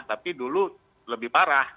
tapi dulu lebih parah